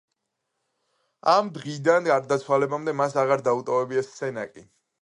ამ დღიდან გარდაცვალებამდე მას აღარ დაუტოვებია სენაკი.